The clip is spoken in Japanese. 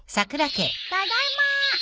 ただいま。